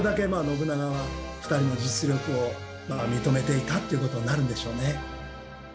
信長は２人の実力を認めていたということになるんでしょうね。